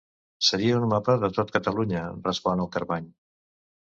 Seria un mapa de tot Catalunya —respon el Carmany—.